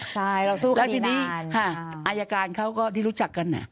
แล้วทีนี้อายกานเขาก็ไม่รู้จัก